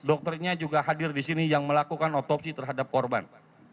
dokternya juga hadir di sini yang melakukan otopsi terhadap korban